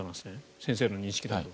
先生の認識だと。